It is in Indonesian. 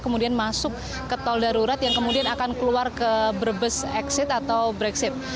kemudian masuk ke tol darurat yang kemudian akan keluar ke brebes exit atau brexit